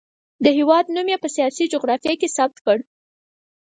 د هېواد نوم یې په سیاسي جغرافیه کې ثبت کړ.